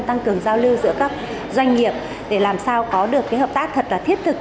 tăng cường giao lưu giữa các doanh nghiệp để làm sao có được hợp tác thật là thiết thực